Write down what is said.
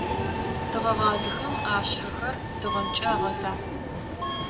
Тыгъэгъазэхэм ашъхьэхэр тыгъэмкӀэ агъэзагъ.